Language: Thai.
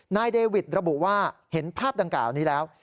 นายเดวิทระบุว่าเห็นภาพดังกล่าวนี้แล้ว